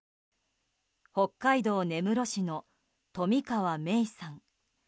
北海道根室市の冨川芽生さん。